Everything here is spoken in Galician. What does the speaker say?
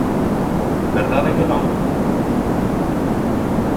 ¿Verdade que non?